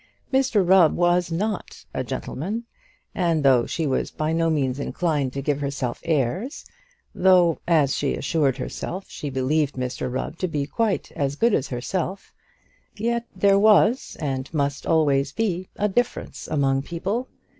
Mr Rubb was not a gentleman; and though she was by no means inclined to give herself airs, though, as she assured herself, she believed Mr Rubb to be quite as good as herself, yet there was, and must always be, a difference among people.